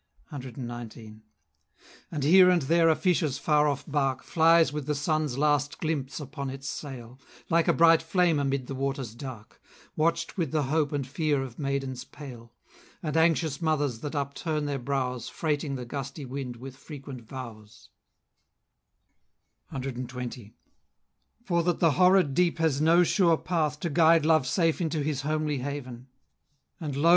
CXIX. And here and there a fisher's far off bark Flies with the sun's last glimpse upon its sail, Like a bright flame amid the waters dark, Watch'd with the hope and fear of maidens pale; And anxious mothers that upturn their brows, Freighting the gusty wind with frequent vows, CXX. For that the horrid deep has no sure path To guide Love safe into his homely haven. And lo!